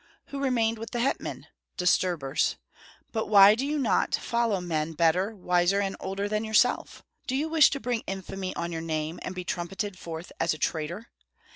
Who remained with the hetman? Disturbers. But why do you not follow men better, wiser, and older than yourself? Do you wish to bring infamy on your name, and be trumpeted forth as a traitor?